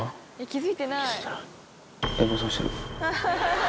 気付いてない。